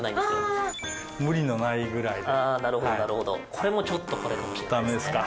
これもちょっとこれかもしれないですね。